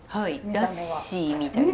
ラッシーみたいな。